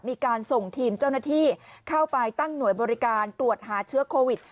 มีการส่งทีมเจ้าหน้าที่เข้าไปตั้งหน่วยบริการตรวจหาเชื้อโควิด